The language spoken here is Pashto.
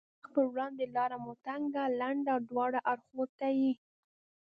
مخ په وړاندې لار مو تنګه، لنده او دواړو اړخو ته یې.